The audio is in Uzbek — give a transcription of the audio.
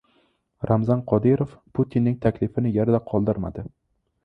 Ramzan Qodirov Putinning taklifini yerda qoldirmadi